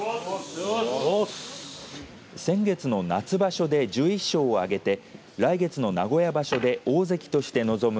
先月の夏場所で１１勝を挙げて来月の名古屋場所で大関として臨む